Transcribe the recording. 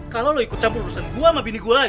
kalau lu ikut campur urusan gua sama bini gua lagi